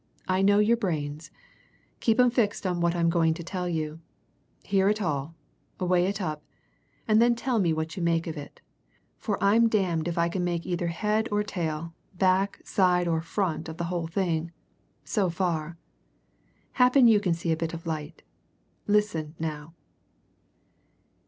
I know your brains keep 'em fixed on what I'm going to tell; hear it all; weigh it up, and then tell me what you make of it; for I'm damned if I can make either head or tail, back, side, or front of the whole thing so far. Happen you can see a bit of light. Listen, now."